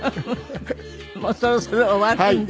もうそろそろ終わるんで。